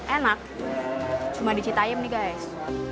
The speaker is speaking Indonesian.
enak cuma di cita yam nih guys